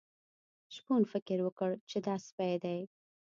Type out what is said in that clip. شپون فکر وکړ چې دا سپی دی.